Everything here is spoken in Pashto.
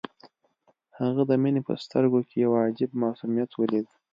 هغه د مينې په سترګو کې يو عجيب معصوميت وليد.